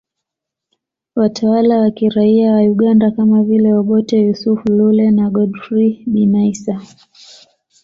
Watawala wa kiraia wa Uganda kama vile Obote Yusuf Lule na Godfrey Binaisa